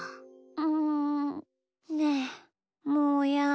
んねえもーやん。